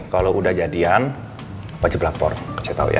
kalo udah jadian wajib lapor ke cw ya